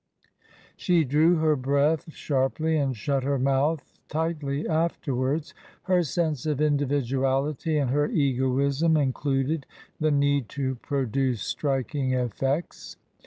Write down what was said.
She drew her breath sharply and shut her mouth tightly afterwards. Her sense of individuality and her egoism included the need to produce striking effects.